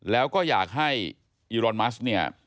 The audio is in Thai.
แล้วก็อยากให้อีรอนมัสเนี่ย